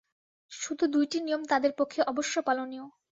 শুধু দুইটি নিয়ম তাঁদের পক্ষে অবশ্য পালনীয়।